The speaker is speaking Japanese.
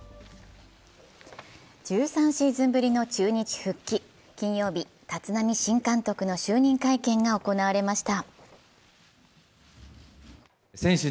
１３シーズンぶりの中日復帰、金曜日、立浪新監督の就任会見が行われました。